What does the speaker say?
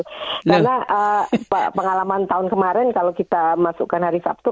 karena pengalaman tahun kemarin kalau kita masukkan hari sabtu